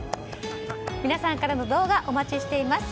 皆さんからの動画お待ちしています。